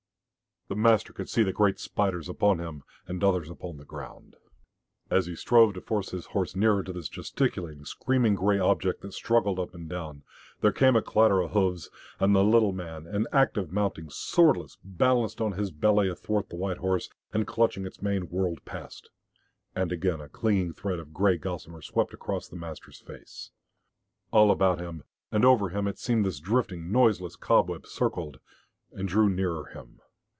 The master could see the great spiders upon him, and others upon the ground. As he strove to force his horse nearer to this gesticulating, screaming grey object that struggled up and down, there came a clatter of hoofs, and the little man, in act of mounting, swordless, balanced on his belly athwart the white horse, and clutching its mane, whirled past. And again a clinging thread of grey gossamer swept across the master's face. All about him, and over him, it seemed this drifting, noiseless cobweb circled and drew nearer him....